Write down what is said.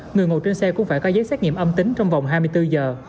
người ngồi trên xe cũng phải có giấy xét nghiệm âm tính trong vòng hai mươi bốn giờ